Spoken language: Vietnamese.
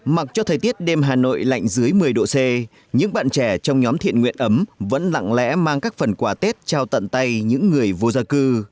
mặc cho thời tiết đêm hà nội lạnh dưới một mươi độ c những bạn trẻ trong nhóm thiện nguyện ấm vẫn lặng lẽ mang các phần quà tết trao tận tay những người vô gia cư